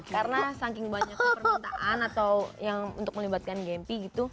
karena saking banyaknya permintaan atau yang untuk melibatkan gempy gitu